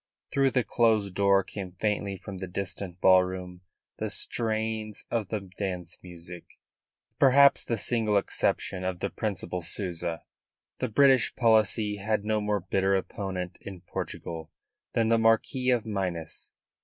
Through the closed door came faintly from the distant ballroom the strains of the dance music. With perhaps the single exception of the Principal Souza, the British policy had no more bitter opponent in Portugal than the Marquis of Minas.